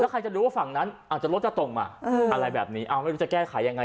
ใครจะรู้ว่าฝั่งนั้นอาจจะรถจะตรงมาอะไรแบบนี้ไม่รู้จะแก้ไขยังไง